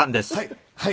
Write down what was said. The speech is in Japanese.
はい。